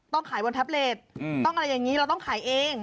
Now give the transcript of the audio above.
ขายบนแท็บเล็ตต้องอะไรอย่างนี้เราต้องขายเอง